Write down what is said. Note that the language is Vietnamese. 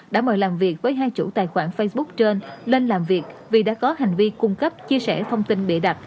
đã mời làm việc với hai chủ tài khoản facebook trên lên làm việc vì đã có hành vi cung cấp chia sẻ thông tin bịa đặt